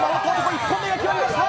１本目が決まりました。